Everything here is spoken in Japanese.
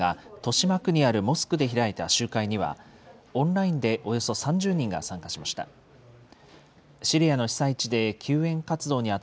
日本イスラーム文化センターが豊島区にあるモスクで開いた集会には、オンラインでおよそ３０人が参加しました。